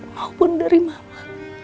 maupun dari mama